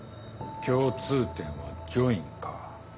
共通点は『ジョイン』か。